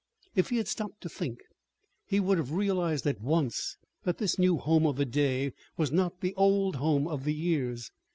If he had stopped to think, he would have realized at once that this new home of a day was not the old home of years.